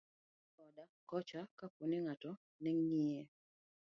Norang'o koni koda kocha kaponi ngato neng'iye.